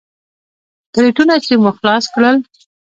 کرېټونه چې مو خلاص کړل.